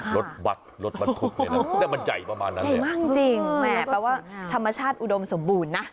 ลดวาดลดบันทุกนะคะใช่มากจริงแหมคือว่าธรรมชาติอุดมสมบูรณ์นะ